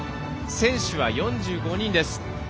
選手は４５人です。